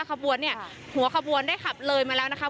ขบวนเนี่ยหัวขบวนได้ขับเลยมาแล้วนะคะ